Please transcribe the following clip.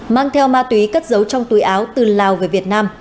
mang theo ma túy cất dấu trong túi áo từ lào về việt nam